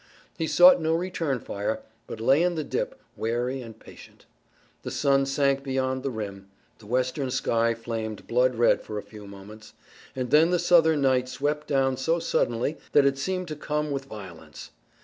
He sought no return fire, but lay in the dip, wary and patient. The sun sank beyond the rim, the western sky flamed blood red for a few moments, and then the Southern night swept down so suddenly that it seemed to come with violence.